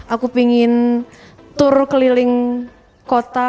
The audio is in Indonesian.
aku ingin tur keliling kota